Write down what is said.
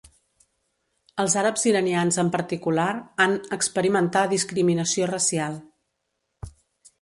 Els àrabs iranians en particular han experimentar discriminació racial.